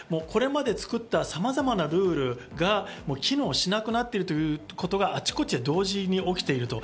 これまで作ったさまざまなルールが機能しなくなっているということがあちこちで同時に起きている。